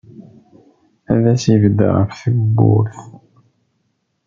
Ar d as-ibedd ɣef tewwurt.